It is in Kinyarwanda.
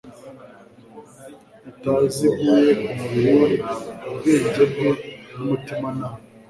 itaziguye ku mubiri we, ubwenge bwe, n’umutimanama,